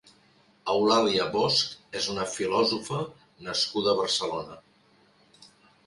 Eulàlia Bosch és una filòsofa nascuda a Barcelona.